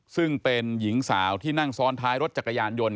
ซึ่งเป็นหญิงสาวที่นั่งซ้อนท้ายรถจักรยานยนต์